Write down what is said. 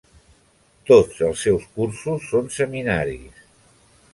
Tots els seus cursos són seminaris.